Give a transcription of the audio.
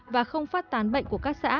và không phát tán bệnh của các xã